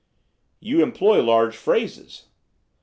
'You employ large phrases.